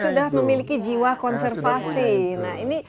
sudah memiliki jiwa konservasi nah ini